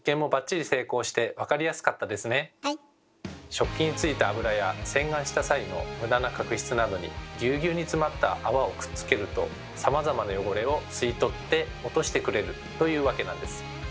食器についた油や洗顔した際の無駄な角質などにぎゅうぎゅうにつまった泡をくっつけるとさまざまな汚れを吸い取って落としてくれるというわけなんです。